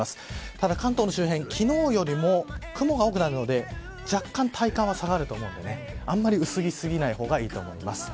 ただ、関東の周辺、昨日よりも雲が多くなるので若干、体感は寒くなると思うので薄着し過ぎない方がいいと思います。